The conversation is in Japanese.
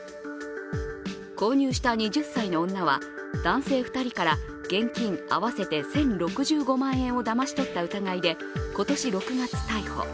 購入した２０歳の女は、男性２人から現金合わせて１０６５万円をだまし取った疑いで今年６月逮捕。